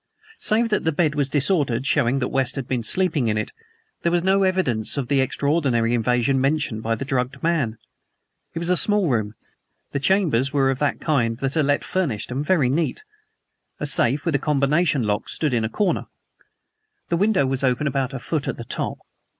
Save that the bed was disordered, showing that West had been sleeping in it, there were no evidences of the extraordinary invasion mentioned by the drugged man. It was a small room the chambers were of that kind which are let furnished and very neat. A safe with a combination lock stood in a corner. The window was open about a foot at the top.